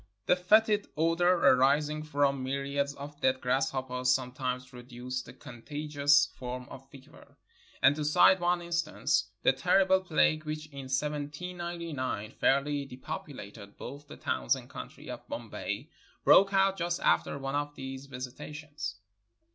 The fetid odor arising from myri ads of dead grasshoppers sometimes produces a con tagious form of fever; and, to cite one instance, the terrible plague which in 1799 fairly depopulated both the towns and country of Bombay broke out just after one of their visitations.